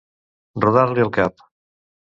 Rodar-li el cap.